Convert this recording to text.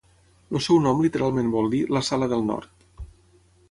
El seu nom literalment vol dir "la sala del nord".